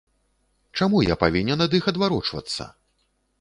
Чаму я павінен ад іх адварочвацца?